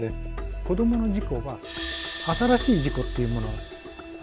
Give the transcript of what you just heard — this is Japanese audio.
子どもの事故は新しい事故っていうものはありません。